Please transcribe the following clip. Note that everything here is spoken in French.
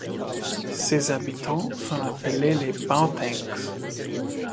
Ses habitants sont appelés les Bahotencs.